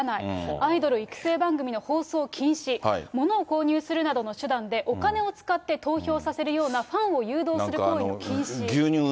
アイドル育成番組の放送禁止、物を購入するなどの手段でお金を使って投票させるようなファンを誘導する行為の禁止。